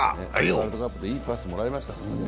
ワールドカップでいいパスもらいました。